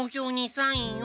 サインを！